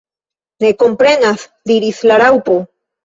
"Ne komprenas," diris la Raŭpo.